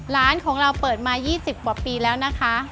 ร้านของเราเปิดมา๒๐กว่าปีแล้วนะคะ